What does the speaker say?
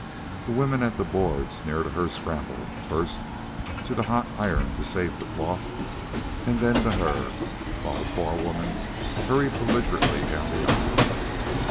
The women at the boards near to her scrambled, first, to the hot iron to save the cloth, and then to her, while the forewoman hurried belligerently down the aisle.